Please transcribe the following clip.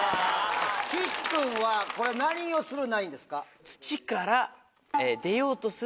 岸君はこれ何をする何ですか？